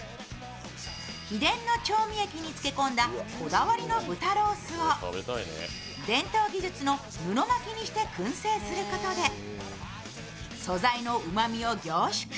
秘伝の調味液につけ込んだこだわりの豚ロースを伝統技術の布巻きにしてくん製することで素材のうまみを凝縮。